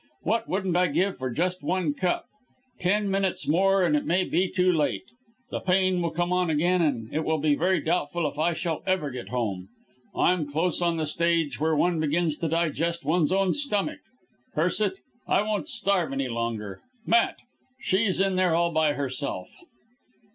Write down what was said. What wouldn't I give for just one cup! Ten minutes more and it may be too late. The pain will come on again and it will be very doubtful if I shall ever get home. I'm close on the stage when one begins to digest one's own stomach. Curse it! I won't starve any longer! Matt! she's in there all by herself!"